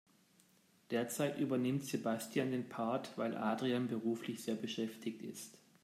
Derzeit übernimmt Sebastian den Part, weil Adrian beruflich sehr beschäftigt ist.